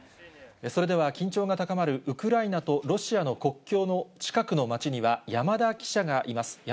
それでは、緊張が高まるウクライナとロシアの国境の近くの町には、山田記者がいます。